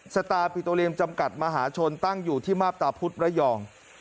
สตาร์ปิโตเรียมจำกัดมหาชนตั้งอยู่ที่มาบตาพุธระยอง